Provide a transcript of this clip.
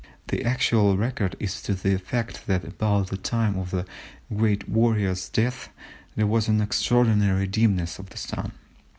The actual record is to the effect that about the time of the great warrior's death there was an extraordinary dimness of the Sun.